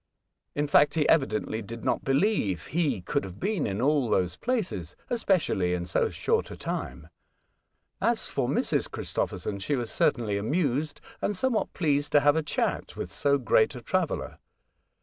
In fact, he evidently did not believef he could have been in all these places, especiallj^ in so short a time. As for Mrs. Christopher | son, she was certainly amused, and somewhat pleased to have a chat with so great a traveller.